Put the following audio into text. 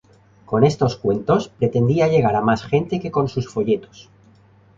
Con estos cuentos pretendía llegar a más gente que con sus folletos.